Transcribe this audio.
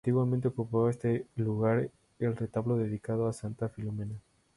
Antiguamente ocupaba este lugar el retablo dedicado a Santa Filomena.